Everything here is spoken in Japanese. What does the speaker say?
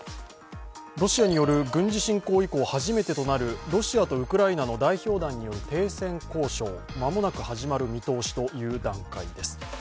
ロシアによる軍事侵攻以降初めとなるロシアとウクライナの代表団による停戦交渉間もなく始まる見通しという段階です。